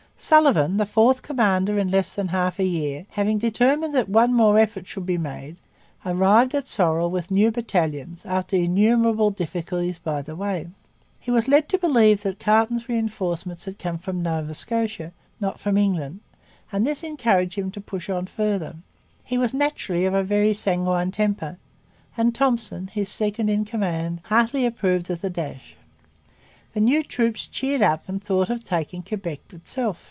Sullivan, the fourth commander in less than half a year, having determined that one more effort should be made, arrived at Sorel with new battalions after innumerable difficulties by the way. He was led to believe that Carleton's reinforcements had come from Nova Scotia, not from England; and this encouraged him to push on farther. He was naturally of a very sanguine temper; and Thompson, his second in command, heartily approved of the dash. The new troops cheered up and thought of taking Quebec itself.